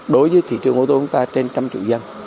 đối với thị trường ô tô của ta trên trăm triệu dân